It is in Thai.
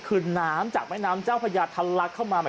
ขึ้นน้ำมาเยอะแล้วน่ะนี่ล้วนึกถึงไปปี๕๐๒นาที